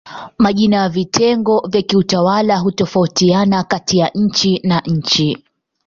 Majina ya vitengo vya kiutawala hutofautiana kati ya nchi na nchi.